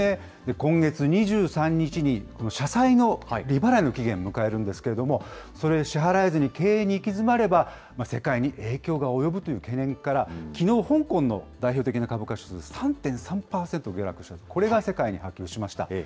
今月２３日に社債の利払いの期限迎えるんですけれども、それを支払えずに経営に行き詰まれば、世界に影響が及ぶという懸念から、きのう、香港の代表的な株価指数、３．３％下落した、これが世界に波及しました。